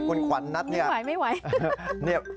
คุณขวัญนัทนี่ก้มหน้าไม่กล้าดู